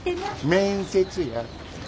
面接や。